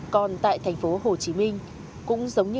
còn tại thành phố hồ chí minh